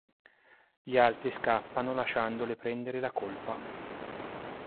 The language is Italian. Gli altri scappano lasciandole prendere la colpa.